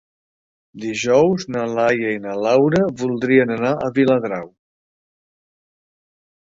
Dijous na Laia i na Laura voldrien anar a Viladrau.